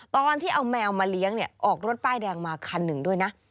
ตอนที่เอาแมวมาเลี้ยงเนี่ยออกรถป้ายแดงมาคันหนึ่งด้วยนะ